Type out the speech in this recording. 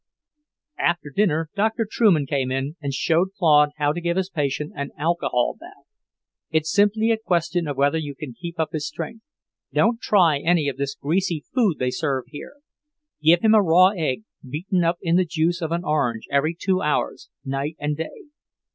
After dinner Doctor Trueman came in and showed Claude how to give his patient an alcohol bath. "It's simply a question of whether you can keep up his strength. Don't try any of this greasy food they serve here. Give him a raw egg beaten up in the juice of an orange every two hours, night and day.